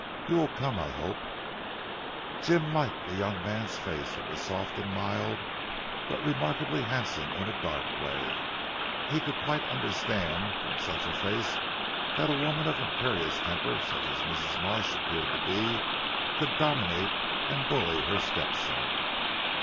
You will come I hope." Jim liked the young man's face. It was soft and mild, but remarkably handsome in a dark way. He could quite understand from such a face that a woman of imperious temper such as Mrs. Marsh appeared to be, could dominate and bully her step son.